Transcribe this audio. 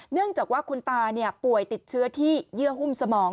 เนื่องจากว่าคุณตาป่วยติดเชื้อที่เยื่อหุ้มสมอง